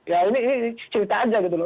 ya ini cerita saja